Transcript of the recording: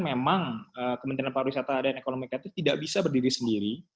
memang kementerian pariwisata dan ekonomi kreatif tidak bisa berdiri sendiri